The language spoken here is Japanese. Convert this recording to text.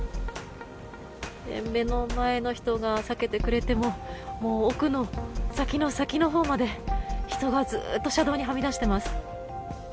目の前の人が避けてくれてももう奥の先の先のほうまで人がずっと車道にはみ出しています。